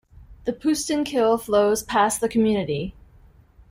The Poesten Kill flows past the community.